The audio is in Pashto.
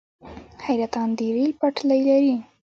حیرتان د ریل پټلۍ لري